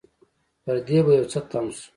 پر دې به يو څه تم شو.